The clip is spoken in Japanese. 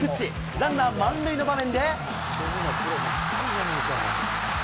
ランナー満塁の場面で。